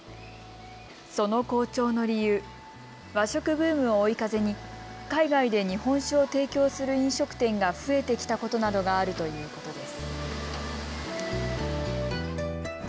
その好調の理由、和食ブームを追い風に海外で日本酒を提供する飲食店が増えてきたことなどがあるということです。